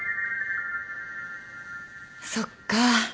そっか。